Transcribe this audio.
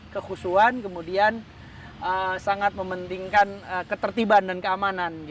kehusuan kemudian sangat mementingkan ketertiban dan keamanan